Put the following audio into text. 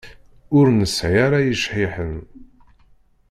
Ur nesɛi ara ijḥiḥen.